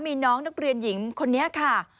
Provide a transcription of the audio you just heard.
มีน้องนักเรียนหญิงคนนี้ค่ะ